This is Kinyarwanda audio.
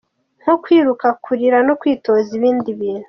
nko kwiruka, kurira no kwitoza ibindi bintu.